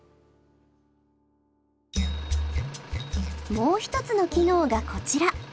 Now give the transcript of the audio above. もう一つの機能がこちら！